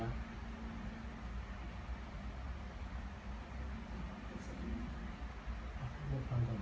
อันนี้ก็ไม่มีเจ้าพ่อหรอก